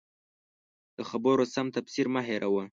د خبرو سم تفسیر مه هېروه.